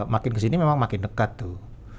makin kesini memang makin dekat tuh